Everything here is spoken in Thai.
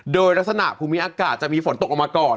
โดยลักษณะภูมิอากาศจะมีฝนตกออกมาก่อน